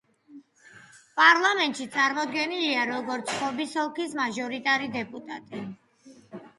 პარლამენტში წარმოდგენილია, როგორც ხობის ოლქის მაჟორიტარი დეპუტატი.